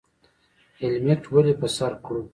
هیلمټ ولې په سر کړو؟